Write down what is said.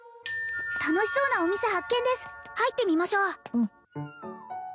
楽しそうなお店発見です入ってみましょううん